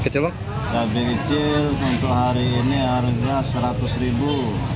cabai kecil untuk hari ini harga seratus ribu